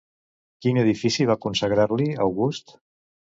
Quin edifici va consagrar-li August?